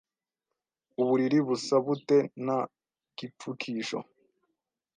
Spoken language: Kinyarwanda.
Uburiri busa bute nta gipfukisho?